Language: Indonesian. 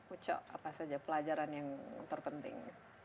uco apa saja pelajaran yang terpenting